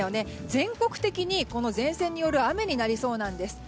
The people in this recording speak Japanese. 全国的に前線による雨になりそうです。